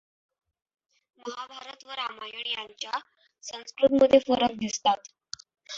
महाभारत व रामायण यांच्या संस्कृतमध्ये फरक दिसतात.